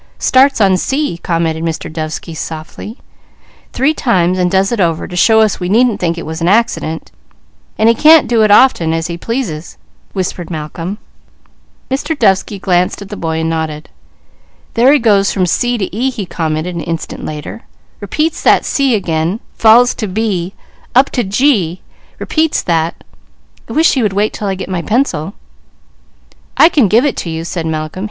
"Starts on C," commented Mr. Dovesky softly. "Three times, and does it over, to show us we needn't think it was an accident and he can't do it as often as he pleases," whispered Malcolm. Mr. Dovesky glanced at the boy and nodded. "There he goes from C to E," he commented an instant later, "repeats that C again, falls to B, up to G, repeats that I wish he would wait till I get my pencil." "I can give it to you," said Malcolm.